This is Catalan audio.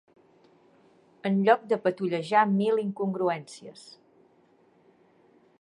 ...en lloc de patollejar mil incongruències